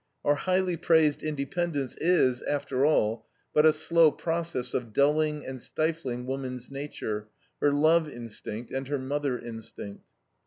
Our highly praised independence is, after all, but a slow process of dulling and stifling woman's nature, her love instinct, and her mother instinct.